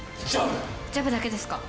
ジャブだけですか？